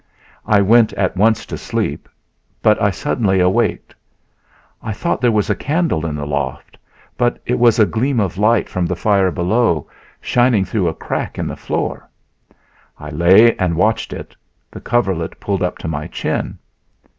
I went at once to sleep, but I suddenly awaked. I thought there was a candle in the loft, but it was a gleam of light from the fire below, shining through a crack in the floor. I lay and watched it, the coverlet pulled up to my chin.